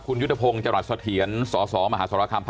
คุณยุทธพพงศ์จรัสเถียรสสมสลคม